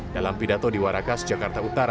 dalam pidato di warakas jakarta utara